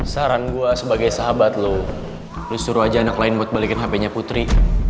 saran gue sebagai sahabat lo lo suruh aja anak lain buat balikin hpnya putri